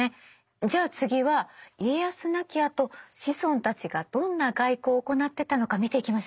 じゃあ次は家康亡きあと子孫たちがどんな外交を行ってたのか見ていきましょうか。